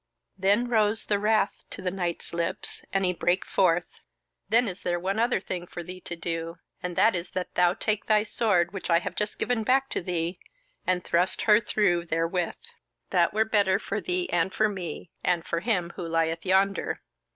Then rose the wrath to the knight's lips, and he brake forth: "Then is there one other thing for thee to do, and that is that thou take thy sword, which I have just given back to thee, and thrust her through therewith. That were better for thee and for me, and for him who lieth yonder."